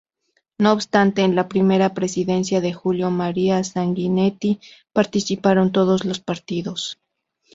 No obstante, en la primera presidencia de Julio María Sanguinetti participaron todos los partidos.